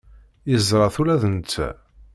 Yeẓra-t ula d netta.